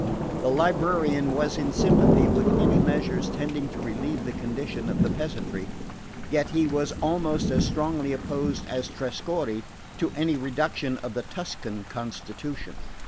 The librarian was in sympathy with any measures tending to relieve the condition of the peasantry; yet he was almost as strongly opposed as Trescorre to any reproduction of the Tuscan constitution.